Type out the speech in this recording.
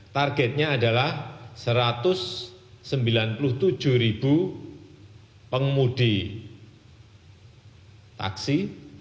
targetnya adalah satu ratus sembilan puluh tujuh ribu pengemudi taksi